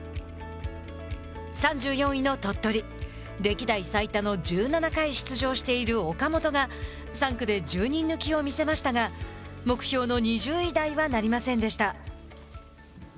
３４位の鳥取歴代最多の１７回出場している岡本が３区で１０人抜きを見せましたが目標の２０位台はなりませんでした。